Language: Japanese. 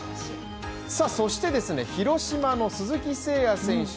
そして広島の鈴木誠也選手